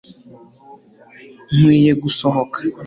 nkwiye gusohoka